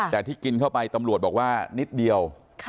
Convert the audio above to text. แต่ที่กินเข้าไปตำรวจบอกว่านิดเดียว